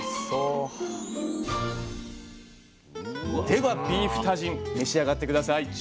ではビーフタジン召し上がって下さい。